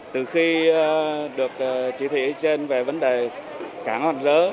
từ khi được chỉ thị trên về vấn đề cá hòn rớ